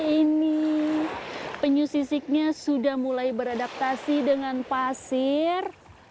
ini penyu sisiknya sudah mulai beradaptasi dengan pasir